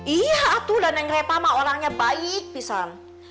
iya tuh dan yang reva mah orangnya baik pisang